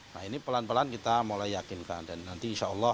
nah ini pelan pelan kita mulai yakinkan dan nanti insya allah